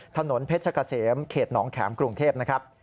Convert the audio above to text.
ถนนเพชรกะเสมเขตหนองแข็มกรุงเทพนะครับ